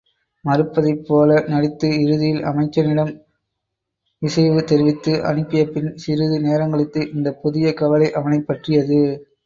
மறுப்பதைப்போல நடித்து இறுதியில் அமைச்சனிடம் இசைவு தெரிவித்து அனுப்பியபின் சிறிது நேரங்கழித்து இந்தப் புதிய கவலை அவனைப் பற்றியது.